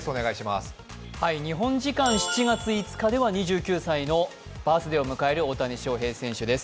日本時間７月５日では２９歳のバースデーを迎える大谷翔平選手です。